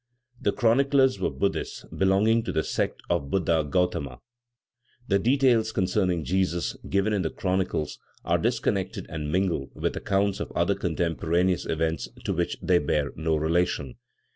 The chroniclers were Buddhists belonging to the sect of the Buddha Gothama. The details concerning Jesus, given in the chronicles, are disconnected and mingled with accounts of other contemporaneous events to which they bear no relation.